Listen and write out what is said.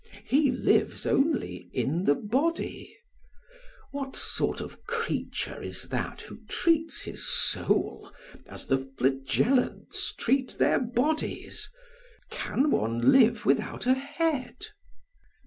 He lives only in the body. What sort of creature is that who treats his soul as the flagellants treat their bodies? Can one live without a head?